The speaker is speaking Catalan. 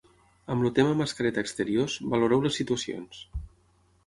Amb el tema mascareta exteriors, valoreu les situacions.